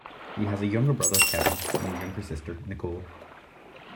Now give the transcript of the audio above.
He has a younger brother, Kevin, and a younger sister, Nicole.